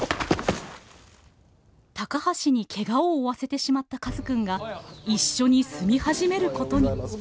高橋にケガを負わせてしまったカズくんが一緒に住み始めることに。